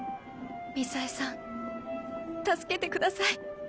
みさえさん助けてください。